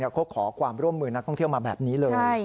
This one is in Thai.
เขาขอความร่วมมือนักท่องเที่ยวมาแบบนี้เลย